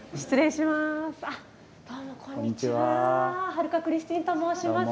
春香クリスティーンと申します。